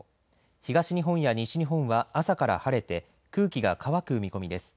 東日本や西日本は朝から晴れて空気が乾く見込みです。